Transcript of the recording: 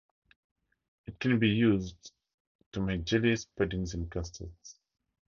It can be used to make jellies, puddings, and custards.